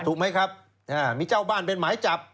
ถูกไหมครับมีเจ้าบ้านเป็นหมายจับ